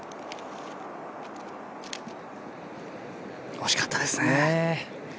惜しかったですね。